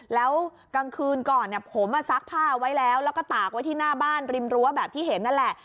แล้วกลางคืนก่อนผมซักผ้าไว้แล้วแล้วก็ตากไว้ที่หน้าบ้านริมรั้วแบบที่เห็นนั่นแหละ